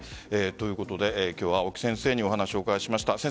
ということで今日は青木先生にお話を伺いました。